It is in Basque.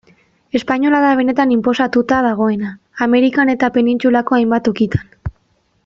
Espainola da benetan inposatuta dagoena, Amerikan eta penintsulako hainbat tokitan.